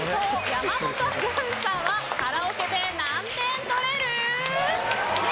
山本アナウンサーはカラオケで何点取れる？